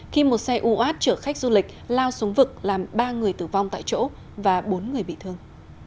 khi một xe uat chở khách du lịch lao xuống vực làm ba người tử vong tại chỗ và bốn người bị thương